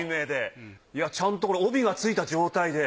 いやちゃんとこれ帯がついた状態で。